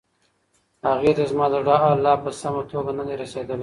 هغې ته زما د زړه حال لا په سمه توګه نه دی رسیدلی.